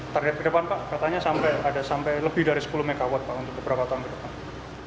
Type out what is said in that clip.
ternyata kedepan pak katanya ada sampai lebih dari sepuluh megawatt untuk beberapa tahun ke depan